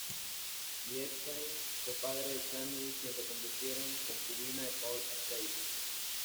Liet-Kynes fue padre de Chani, quien se convertiría en concubina de Paul Atreides.